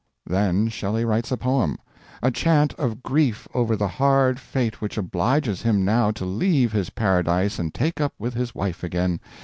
Then Shelley writes a poem a chant of grief over the hard fate which obliges him now to leave his paradise and take up with his wife again.